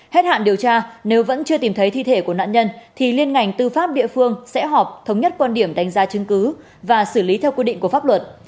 hết hạn điều tra nếu vẫn chưa tìm thấy thi thể của nạn nhân thì liên ngành tư pháp địa phương sẽ họp thống nhất quan điểm đánh giá chứng cứ và xử lý theo quy định của pháp luật